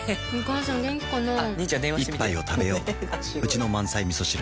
一杯をたべよううちの満菜みそ汁